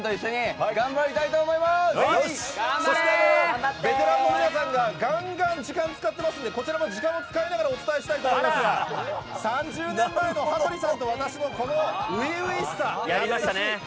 そしてベテランの皆さんががんがん時間使ってますんで、こちらも時間を使いながらお伝えしたいと思いますが、３０年前の羽鳥さんと私のこの初々しさ、懐かしい。